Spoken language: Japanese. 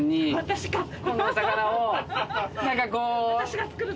私か！